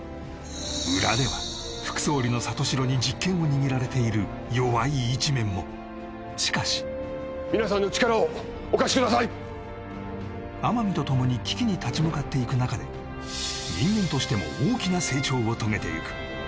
裏では副総理の里城に実権を握られている弱い一面もしかし皆さんの力をお貸しください天海とともに危機に立ち向かっていく中で人間としても大きな成長を遂げてゆく